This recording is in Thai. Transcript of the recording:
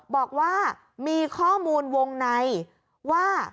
บอกว่ามีข้อมูลวงในว่า